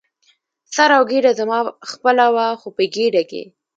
سر او ګېډه زما خپله وه، خو په ګېډه کې.